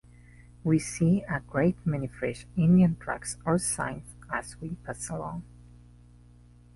We see a great many fresh Indian tracks or signs as we pass along.